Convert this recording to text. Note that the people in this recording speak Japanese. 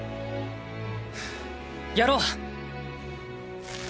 やろう。